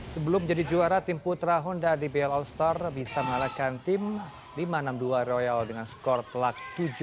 sebelum jadi juara tim putra honda dpl all star bisa mengalahkan tim lima ratus enam puluh dua royal dengan skor telak tujuh puluh satu dua puluh tujuh